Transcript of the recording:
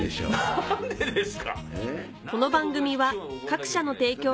何でですか！